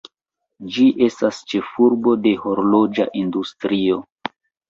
Ĝi estas ĉefurbo de horloĝa industrio.